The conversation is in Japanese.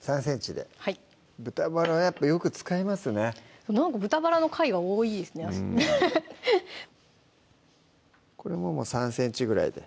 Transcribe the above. ３ｃｍで豚バラやっぱよく使いますねなんか豚バラの回が多いですねこれも３ｃｍぐらいで？